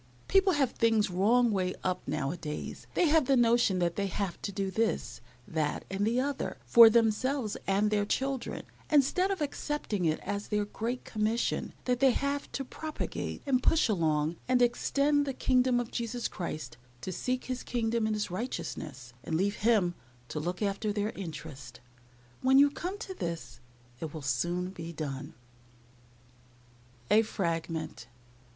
People have things wrong way up now a days. They have the notion that they have to do this, that, and the other, for themselves and their children, instead of accepting it as their great commission that they have to propagate and push along and extend the kingdom of Jesus Christ, to seek His kingdom and His righteousness, and leave Him to look after their interests. When you come to this it will soon be done. A FRAGMENT.